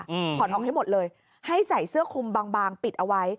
อืมถอดออกให้หมดเลยให้ใส่เสื้อคุมบางบางปิดเอาไว้